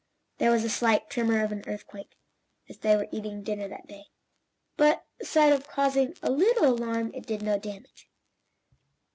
There was a slight tremor of an earthquake, as they were eating dinner that day, but, aside from causing a little alarm it did no damage.